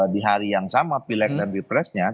di hari yang sama filek dan filepresnya